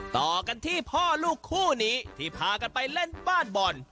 ต่อกันที่พ่อลูกคู่นี้ที่พากันไปเล่นบ้านบอล